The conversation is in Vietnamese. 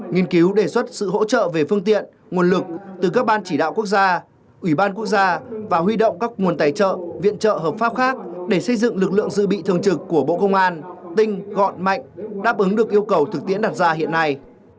nghiên cứu đề xuất sự hỗ trợ về phương tiện nguồn lực từ các ban chỉ đạo quốc gia ủy ban quốc gia và huy động các nguồn tài trợ viện trợ hợp pháp khác để xây dựng lực lượng dự bị thường trực của bộ công an tinh gọn mạnh đáp ứng được yêu cầu thực tiễn đặt ra hiện nay